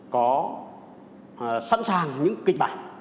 có sẵn sàng những kịch bản